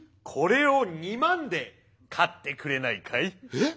えっ？